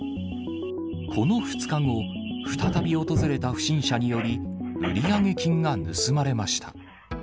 この２日後、再び訪れた不審者により、売上金が盗まれました。